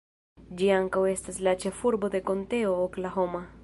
Ĝi ankaŭ estas la ĉefurbo de Konteo Oklahoma.